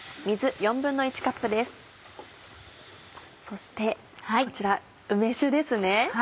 そしてこちら梅酒ですね。